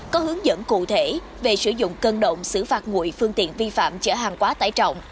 có hướng dẫn cụ thể về sử dụng cân động xử phạt nguội phương tiện vi phạm chở hàng quá tải trọng